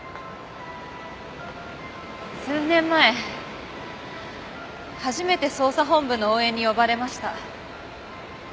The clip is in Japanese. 数年前初めて捜査本部の応援に呼ばれました。